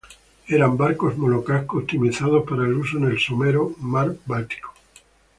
Eran barcos monocasco optimizados para el uso en el somero Mar Báltico.